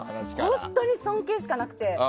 本当に尊敬しかなくて。